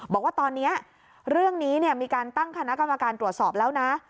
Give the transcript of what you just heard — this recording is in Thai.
บอกว่าตอนนี้เรื่องนี้มีการตั้งคณะกรรมการตรวจสอบแล้วนะ